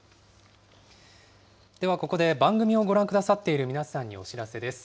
ではここで、番組をご覧くださっている皆さんにお知らせです。